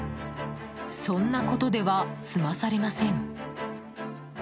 そんなことでは済まされません。